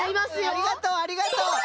ありがとうありがとう！